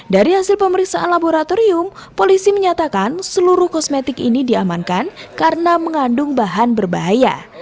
dari hasil pemeriksaan laboratorium polisi menyatakan seluruh kosmetik ini diamankan karena mengandung bahan berbahaya